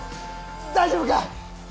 大丈夫か！